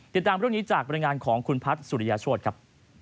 ติดตามเรื่องนี้จากบรรยายงานของคุณพัฒน์สุริยาโชธครับ